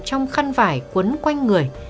trong khăn vải cuốn quanh người